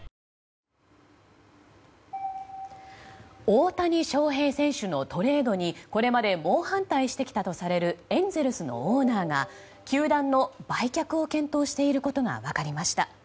大谷翔平選手のトレードにこれまで猛反対してきたとされるエンゼルスのオーナーが球団の売却を検討していることが分かりました。